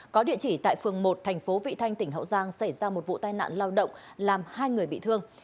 có địa chỉ tại phường một thành phố vị thanh tỉnh hậu giang xảy ra một vụ tai nạn lao động làm hai người bị thương